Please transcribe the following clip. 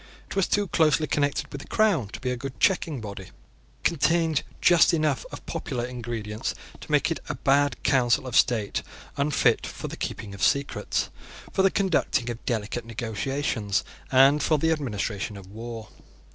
It was too closely connected with the Crown to be a good checking body. It contained just enough of popular ingredients to make it a bad council of state, unfit for the keeping of secrets, for the conducting of delicate negotiations, and for the administration of war.